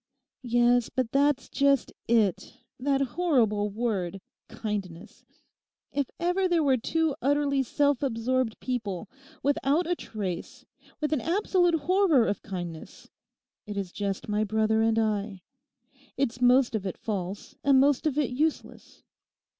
'Yes, but that's just it—that horrible word "kindness"! If ever there were two utterly self absorbed people, without a trace, with an absolute horror of kindness, it is just my brother and I. It's most of it false and most of it useless.